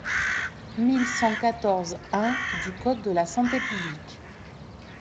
mille cent quatorze-un du code de la santé publique.